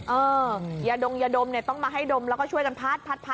เอออย่าดมอย่าดมต้องมาให้ดมแล้วก็ช่วยกันพัดนะ